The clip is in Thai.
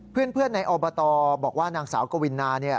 เพื่อนในอบตบอกว่านางสาวกวินา